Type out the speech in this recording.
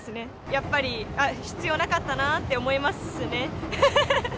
やっぱり必要なかったなって思いますね。